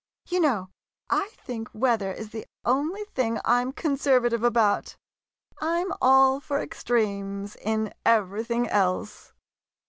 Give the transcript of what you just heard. You know, I think weather is the only thing I 'm conservative about — I 'm all for extremes in everything else.